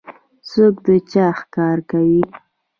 څوک د چا ښکار کوي؟